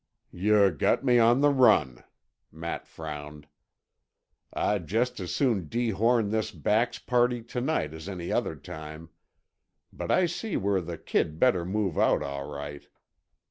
"Yuh got me on the run," Matt frowned. "I'd just as soon dehorn this Bax party to night as any other time. But I see where the kid better move out, all right.